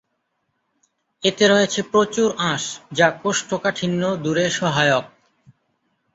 এতে রয়েছে প্রচুর আঁশ, যা কোষ্ঠকাঠিন্য দূরে সহায়ক।